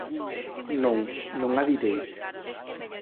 Non, non a direi.